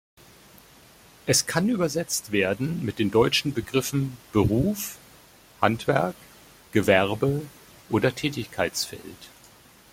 Es kann übersetzt werden mit den deutschen Begriffen Beruf, Handwerk, Gewerbe oder Tätigkeitsfeld.